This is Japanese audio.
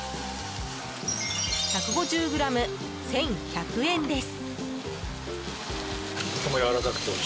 １５０ｇ、１１００円です。